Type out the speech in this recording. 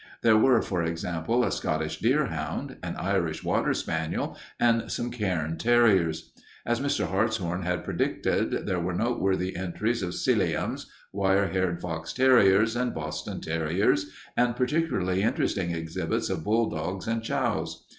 There were, for example, a Scottish deerhound, an Irish water spaniel, and some cairn terriers. As Mr. Hartshorn had predicted, there were noteworthy entries of Sealyhams, wire haired fox terriers, and Boston terriers, and particularly interesting exhibits of bulldogs and chows.